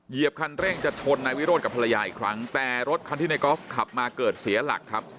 เหยียบคันเร่งจะชนนายวิโรธกับภรรยาอีกครั้งแต่รถคันที่ในกอล์ฟขับมาเกิดเสียหลักครับ